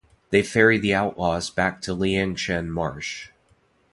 They ferry the outlaws back to Liangshan Marsh.